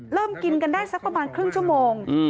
เริ่มกินกันได้สักประมาณครึ่งชั่วโมง